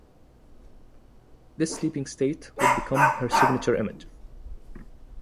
This sleeping state would become her signature image.